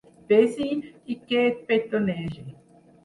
Ves- hi i que et petonegi.